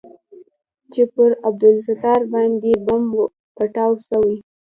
چې پر عبدالستار باندې بم پټاو سوى.